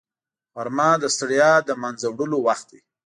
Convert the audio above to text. غرمه د ستړیا له منځه وړلو وخت دی